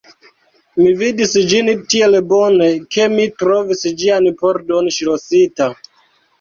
Mi vidis ĝin tiel bone, ke mi trovis ĝian pordon ŝlosita.